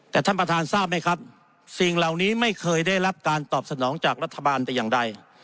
แต่ท่านประธานทราบไหมครับสิ่งเหล่านี้ไม่เคยได้รับการตอบสนองจากรัฐบาลแต่อย่างใด